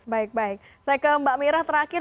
baik baik saya ke mbak mira terakhir